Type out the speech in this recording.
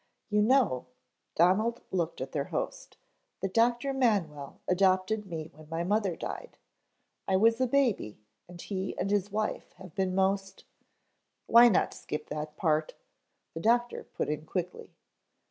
"You know," Donald looked at their host, "that Doctor Manwell adopted me when my mother died. I was a baby and he and his wife have been most " "Why not skip that part?" the doctor put in quickly.